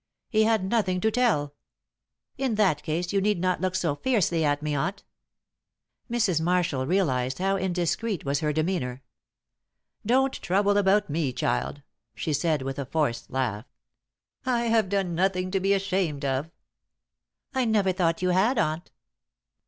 "He had nothing to tell." "In that case you need not look so fiercely at me, aunt." Mrs. Marshall realised how indiscreet was her demeanour. "Don't trouble about me, child," she said, with a forced laugh. "I have done nothing to be ashamed of." "I never thought you had, aunt!"